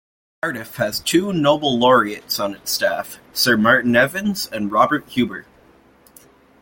Cardiff has two Nobel Laureates on its staff, Sir Martin Evans and Robert Huber.